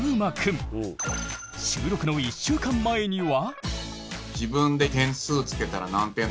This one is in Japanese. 収録の１週間前には。